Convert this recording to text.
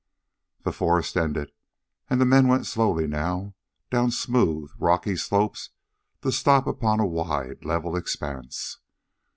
The forest ended, and the men went slowly now down smooth, rocky slopes to stop upon a wide, level expanse.